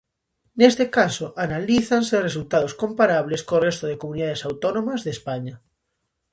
Neste caso analízanse resultados comparables co resto de comunidades autónomas de España.